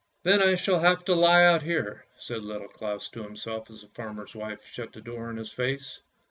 " Then I shall have to lie out here," said Little Claus to himself as the farmer's wife shut the door in his face.